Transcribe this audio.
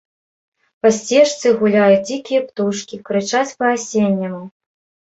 Па сцежцы гуляюць дзікія птушкі, крычаць па-асенняму.